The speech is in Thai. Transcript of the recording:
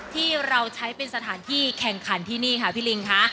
ที่เราใช้เป็นสถานที่แข่งขันที่นี่ค่ะพี่ลิงค่ะ